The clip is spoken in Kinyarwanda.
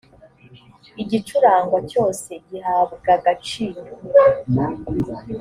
igicurangwa cyose gihabwaagaciro.